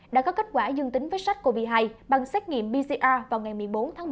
đã có kết quả dương tính với sars cov hai bằng xét nghiệm pcr vào ngày một mươi bốn tháng một mươi